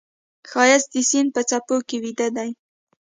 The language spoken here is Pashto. ښایست د سیند په څپو کې ویده دی